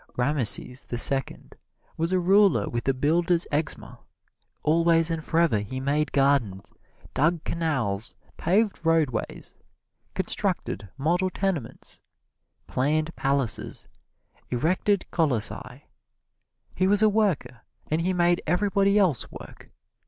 Rameses the Second was a ruler with the builder's eczema: always and forever he made gardens, dug canals, paved roadways, constructed model tenements, planned palaces, erected colossi. He was a worker, and he made everybody else work.